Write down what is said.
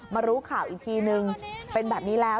รู้ข่าวอีกทีนึงเป็นแบบนี้แล้ว